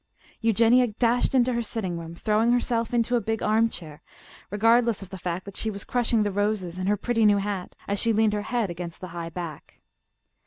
Eugenia dashed into her sitting room, throwing herself into a big armchair, regardless of the fact that she was crushing the roses in her pretty new hat as she leaned her head against the high back.